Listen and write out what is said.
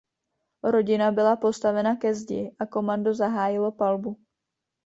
Rodina byla postavena ke zdi a komando zahájilo palbu.